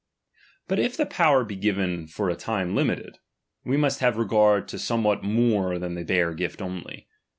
But if the power be given for a time limited, we must have regard to somewhat more than the bare gift only.